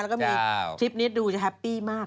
แล้วก็มีคลิปนี้ดูจะแฮปปี้มาก